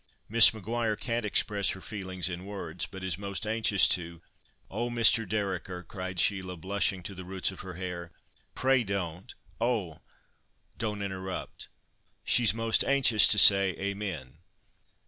Miss Maguire can't express her feelings in words, but is most anxious to—" "Oh! Mr. Dereker!" cried Sheila, blushing to the roots of her hair, "pray don't—Oh!" "Don't interrupt. She's most anxious to say 'Amen.